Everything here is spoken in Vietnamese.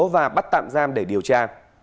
và bắt tạm giam để điều tra